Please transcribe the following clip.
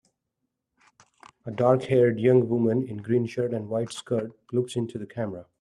A darkhaired young woman in a green shirt and white skirt looks into the camera.